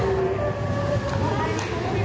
ของรับทราบ